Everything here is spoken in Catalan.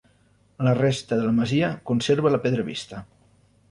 La resta de la masia conserva la pedra vista.